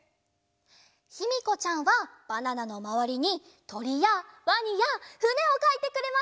ひみこちゃんはバナナのまわりにとりやワニやふねをかいてくれました！